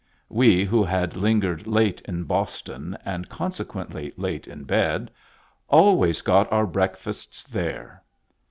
We who had lingered late in Boston, and consequently late in bed, always got our breakfasts there.